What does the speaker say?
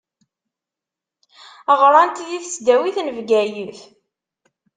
Ɣṛant di tesdawit n Bgayet.